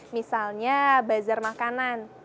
misalnya bazar makanan